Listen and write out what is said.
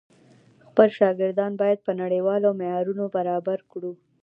خپل شاګردان بايد په نړيوالو معيارونو برابر کړو.